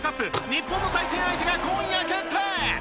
日本の対戦相手が今夜決定！